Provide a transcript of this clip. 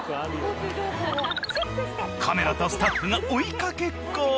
［カメラとスタッフが追い掛けっこ］